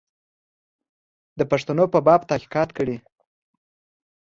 د پښتنو په باب تحقیقات کړي.